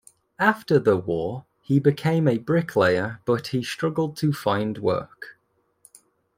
After the war he became a bricklayer but he struggled to find work.